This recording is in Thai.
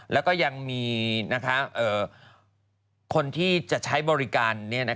แล้วก็ยังมีคนที่จะใช้บริการ